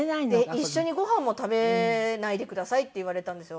「一緒にご飯も食べないでください」って言われたんですよ。